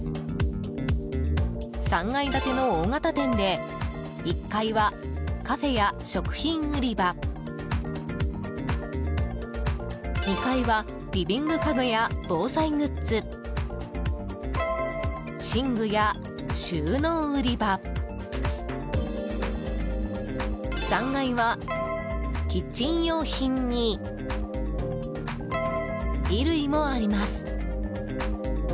３階建ての大型店で１階は、カフェや食品売り場２階は、リビング家具や防災グッズ、寝具や収納売り場３階は、キッチン用品に衣類もあります。